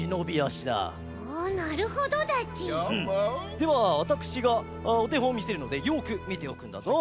ではわたくしがおてほんをみせるのでよくみておくんだぞ。